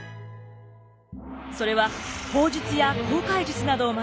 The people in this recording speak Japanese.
それは砲術や航海術などを学ぶ